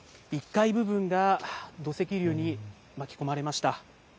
１階部分が土石流に巻き込まれました。